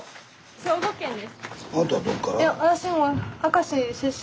兵庫県です。